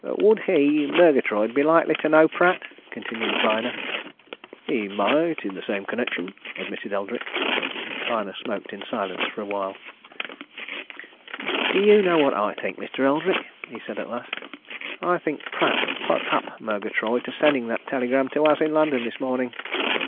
"Would he Murgatroyd be likely to know Pratt?" continued Byner. "He might in the same connection," admitted Eldrick. Byner smoked in silence for a while. "Do you know what I think, Mr. Eldrick?" he said at last. "I think Pratt put up Murgatroyd to sending that telegram to us in London this morning."